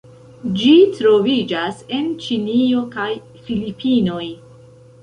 Ĝi troviĝas en Ĉinio kaj Filipinoj.